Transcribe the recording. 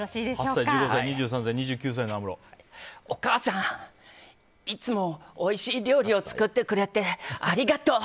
お母さんいつもおいしい料理を作ってくれて、ありがとう。